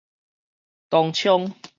當沖